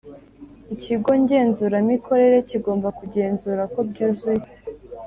Ikigo ngenzuramikorere kigomba kungenzura ko byuzuye